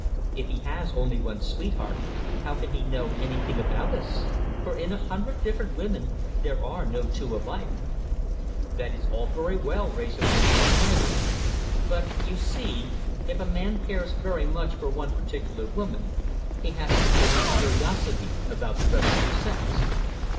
If he has only one sweetheart, how can he know anything about us? for in a hundred different women there are no two alike." "That is all very well," Wrayson answered, smiling; "but, you see, if a man cares very much for one particular woman, he hasn't the least curiosity about the rest of her sex."